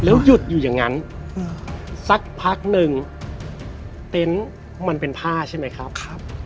หยุดอยู่อย่างนั้นสักพักหนึ่งเต็นต์มันเป็นผ้าใช่ไหมครับ